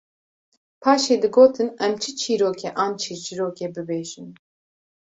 paşê digotin: Em çi çîrokê an çîrçîrokê bibêjin